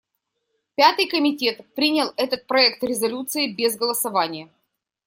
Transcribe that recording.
Пятый комитет принял этот проект резолюции без голосования.